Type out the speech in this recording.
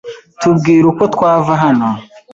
Tubwire uko twava hano.